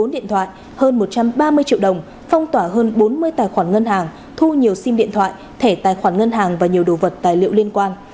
một mươi điện thoại hơn một trăm ba mươi triệu đồng phong tỏa hơn bốn mươi tài khoản ngân hàng thu nhiều sim điện thoại thẻ tài khoản ngân hàng và nhiều đồ vật tài liệu liên quan